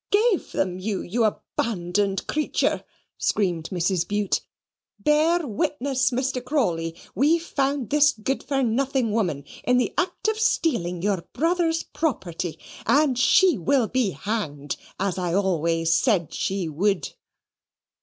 "Gave them you, you abandoned creature!" screamed Mrs. Bute. "Bear witness, Mr. Crawley, we found this good for nothing woman in the act of stealing your brother's property; and she will be hanged, as I always said she would."